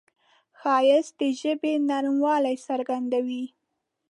ښایست د ژبې نرموالی څرګندوي